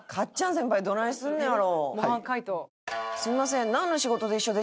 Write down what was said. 先輩どないすんねやろ？